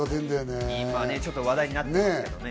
今ちょっと話題になってますよね。